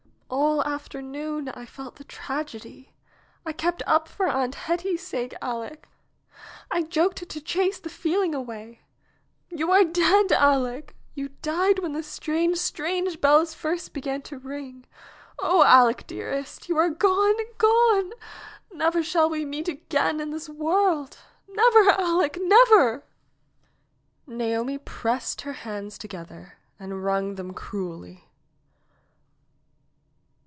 All afternoon I felt the tragedy. I kept up for Aunt Hetty's sake, Aleck. I joked to chase the feeling away. You are dead, Aleck ! You died when the strange, strange bells first began to ring. Oh, Aleck, dearest ! You are gone — gone ! Never shall we meet again in this world! Never, Aleck — never !" Naomi pressed her hands together and wrung them cruelly.